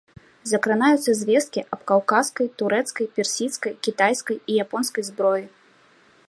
Закранаюцца звесткі аб каўказскай, турэцкай, персідскай, кітайскай і японскай зброі.